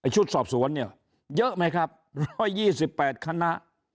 ชุดสอบสวนเนี่ยเยอะไหมครับ๑๒๘คณะ